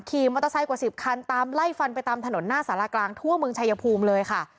ขี่มอเตอร์ไซค์กว่า๑๐คันตามไล่ฟันไปตามถนนหน้าสารากลางทั่วเมืองชายภูมิเลยค่ะ